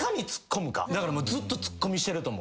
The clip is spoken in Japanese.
だからずっとツッコミしてると思う。